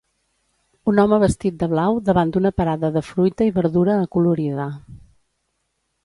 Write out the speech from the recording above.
Un home vestit de blau davant d'una parada de fruita i verdura acolorida